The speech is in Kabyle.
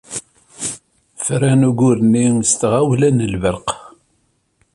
Fran ugur-nni s tɣawla n lebreq.